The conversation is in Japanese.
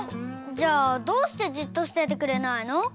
じゃあどうしてじっとしててくれないの？